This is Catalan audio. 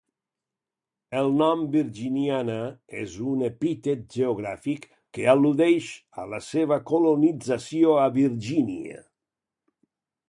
El nom virginiana és un epítet geogràfic que al·ludeix a la seva localització a Virgínia.